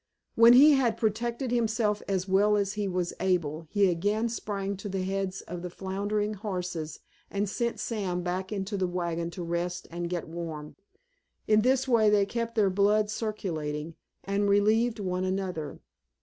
When he had protected himself as well as he was able he again sprang to the heads of the floundering horses and sent Sam back into the wagon to rest and get warm. In this way they kept their blood circulating, and relieved one another.